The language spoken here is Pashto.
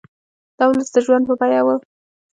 دا د ولس د ژوند په بیه وو.